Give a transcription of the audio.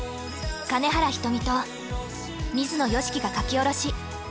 金原ひとみと水野良樹が書き下ろし。